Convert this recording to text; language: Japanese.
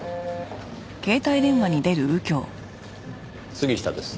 杉下です。